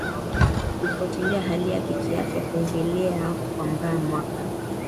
Kufuatia hali yake kiafya kuendelea kuwa mbaya mwaka